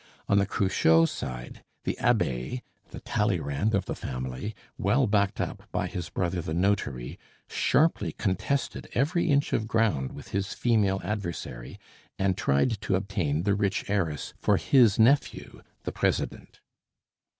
On the Cruchot side the abbe, the Talleyrand of the family, well backed up by his brother the notary, sharply contested every inch of ground with his female adversary, and tried to obtain the rich heiress for his nephew the president.